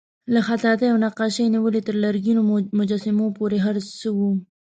له خطاطۍ او نقاشۍ نیولې تر لرګینو مجسمو پورې هر څه وو.